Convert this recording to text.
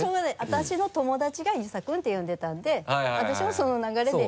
私の友達が「遊佐君」って呼んでたんで私もその流れで。